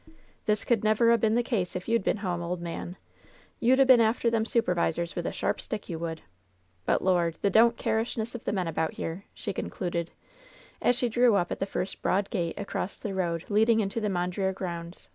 "This could never a been the case if you'd been home, ole man ! You'd a been after them supervisors with a sharp stick, you would ! But, Lord ! the don't care ish ness of the men about here !" she concluded, as she drew up at the first broad gate across the road leading into the Mondreer grounds.